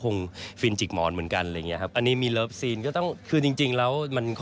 ผมต้องห้ามเขาเรื่องของความรัก